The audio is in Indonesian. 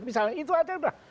misalnya itu aja sudah